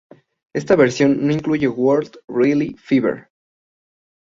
Esta versión no incluye "World Rally Fever".